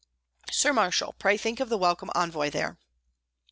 Sir Marshal, pray think of the welcome envoy there."